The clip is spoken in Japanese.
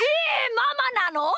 ママなの？